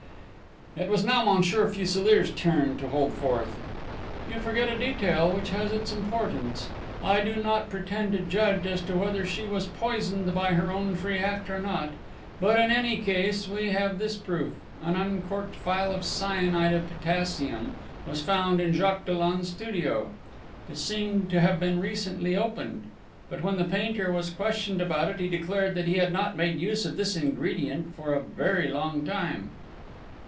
It was now Monsieur Fuselier's turn to hold forth. "You forget a detail which has its importance! I do not pretend to judge as to whether she was poisoned by her own free act or not; but, in any case, we have this proof an uncorked phial of cyanide of potassium was found in Jacques Dollon's studio. It seemed to have been recently opened; but, when the painter was questioned about it, he declared that he had not made use of this ingredient for a very long time."